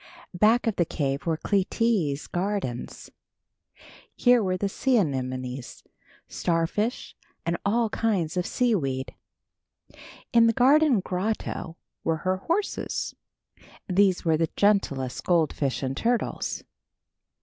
Back of the cave were Clytie's gardens. Here were the sea anemones, starfish and all kinds of seaweed. In the garden grotto were her horses. These were the gentlest goldfish and turtles.